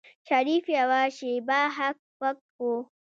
شريف يوه شېبه هک پک و.